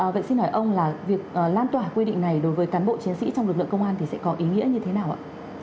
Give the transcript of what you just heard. vậy xin hỏi ông là việc lan tỏa quy định này đối với cán bộ chiến sĩ trong lực lượng công an thì sẽ có ý nghĩa như thế nào ạ